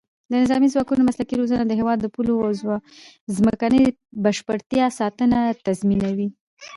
د نظامي ځواکونو مسلکي روزنه د هېواد د پولو او ځمکنۍ بشپړتیا ساتنه تضمینوي.